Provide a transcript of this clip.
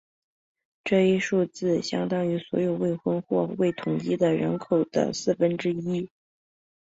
这一数字相当于所有未婚或未同居的人口的四分之一。